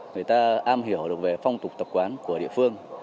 người ta am hiểu được về phong tục tập quán của địa phương